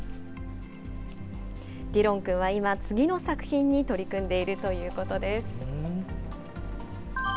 ディロン君は今、次の作品に取り組んでいるということです。